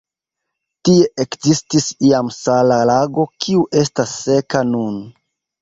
Tie ekzistis iam sala lago, kiu estas seka nun.